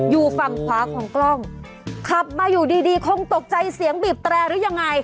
อยู่ฝั่งขวาของกล้องขับมาอยู่ดีดีคงตกใจเสียงบีบแตรหรือยังไง